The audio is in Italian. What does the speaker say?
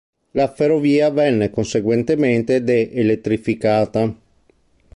La ferrovia venne conseguentemente de-elettrificata.